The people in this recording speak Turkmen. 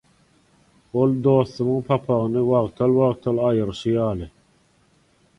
ol dostumyň papagyny wagtal-wagtal aýyryşy ýaly